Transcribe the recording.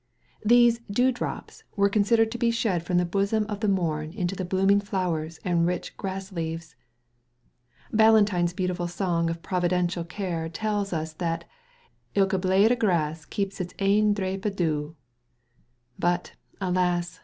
These "dew drops" were considered to be shed from the bosom of the morn into the blooming flowers and rich grass leaves. Ballantine's beautiful song of Providential care tells us that "Ilka blade o' grass keps it's ain drap o' dew." But, alas!